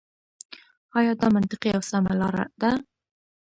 آيـا دا مـنطـقـي او سـمـه لاره ده.